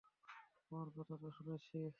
তোমার কথা তো শুনেছি।